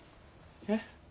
えっ？